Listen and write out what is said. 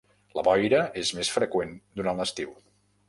La boira és més freqüent durant l'estiu.